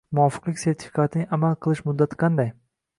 Muvofiqlik sertifikatining amal qilish muddati qanday?